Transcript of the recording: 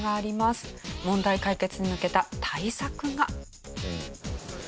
問題解決に向けた対策が。